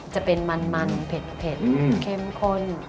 จะเป็นมันเผ็ดเข้มข้น